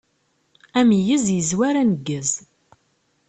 Ameyyez yezwar aneggez.